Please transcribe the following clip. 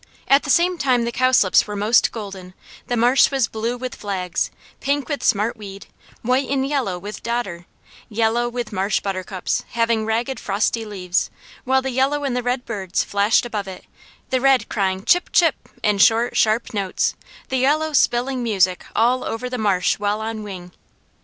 At the same time the cowslips were most golden, the marsh was blue with flags, pink with smart weed, white and yellow with dodder, yellow with marsh buttercups having ragged frosty leaves, while the yellow and the red birds flashed above it, the red crying, "Chip," "Chip," in short, sharp notes, the yellow spilling music all over the marsh while on wing.